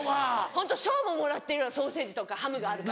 ホント賞ももらってるソーセージとかハムがあるから。